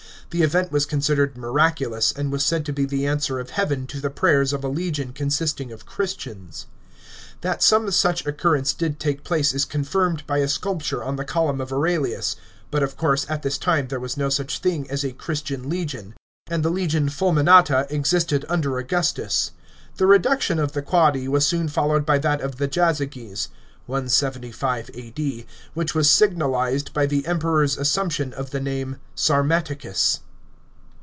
The event was considered miraculous, and was said to be the answer of Heaven to the prayers of a legion consisting ol Christians. That some such occur reuce did take place is confirmed by a sculpture on the Column of Aurelius, but of course at this time there was no such thing as a Christian legion ; and the legion Fulminata existed under Augustus. The reduction of the Quadi was soon followed by that of the Jazyges (175 A.D.), which was signalised by the Emperor's assumption of the name Sarmaticus.